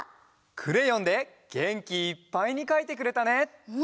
クレヨンでげんきいっぱいにかいてくれたね。